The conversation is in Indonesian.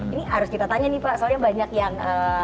ini harus kita tanya nih pak soalnya banyak yang